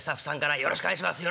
よろしくお願いします。